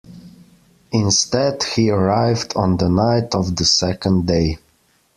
Instead, he arrived on the night of the second day.